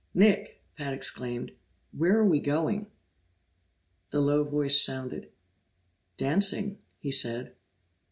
"Nick!" Pat exclaimed. "Where are we going?" The low voice sounded. "Dancing," he said.